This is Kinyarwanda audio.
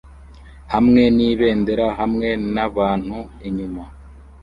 hamwe nibendera hamwe nabantu inyuma